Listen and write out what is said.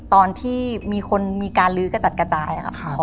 ตอนที่มีคนมีการลื้อจัดกระจาย